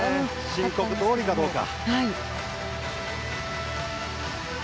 申告どおりかどうか。